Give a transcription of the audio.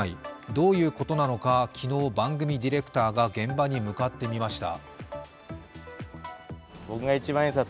どういうことなのか、昨日、番組ディレクターが現場に向かってみました。